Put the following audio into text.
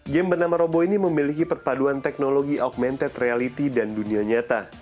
game bernama robo ini memiliki perpaduan teknologi augmented reality dan dunia nyata